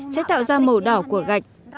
sẽ tạo ra màu đỏ của gạch